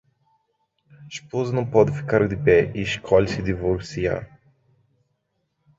Esposa não pode ficar de pé e escolhe se divorciar